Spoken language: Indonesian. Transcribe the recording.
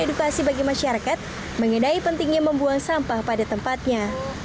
edukasi bagi masyarakat mengenai pentingnya membuang sampah pada tempatnya